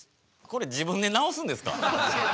これ自分でなおすんですか？